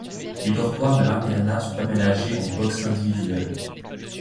Les dortoirs de l'internat sont aménagés en boxes individuels.